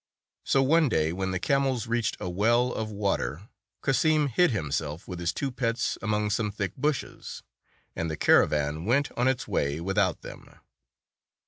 So one day, when the camels reached a well of water, Cassim hid himself with his two pets among some thick bushes, and the caravan went on its way without them.